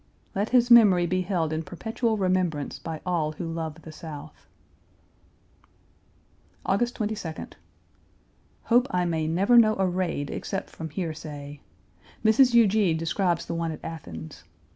Let his memory be held in perpetual remembrance by all who love the South! August 22d. Hope I may never know a raid except from hearsay. Mrs. Huger describes the one at Athens.